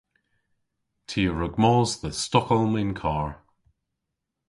Ty a wrug mos dhe Stockholm yn karr.